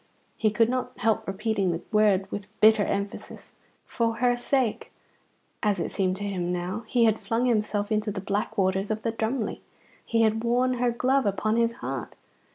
He could not help repeating the word with bitter emphasis. For her sake, as it seemed to him now, he had flung himself into the black waters of the Drumly. He had worn her glove upon his heart.